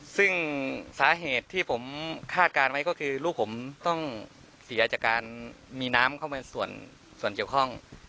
ซึ่งสาเหตุที่ผมคาดการณ์ไว้ก็คือลูกผมต้องเสียจากการมีน้ำเข้ามาส่วนเกี่ยวข้อง